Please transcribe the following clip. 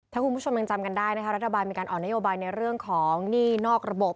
ถ้าคุณผู้ชมยังจำกันได้นะคะรัฐบาลมีการออกนโยบายในเรื่องของหนี้นอกระบบ